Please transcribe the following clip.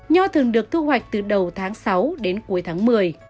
nho thường được thu hoạch từ đầu tháng sáu đến cuối tháng một mươi